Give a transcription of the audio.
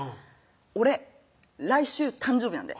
「俺来週誕生日なんで」